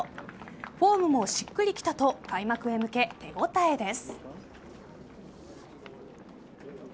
フォームもしっくりきたと開幕へ向け、手応えです。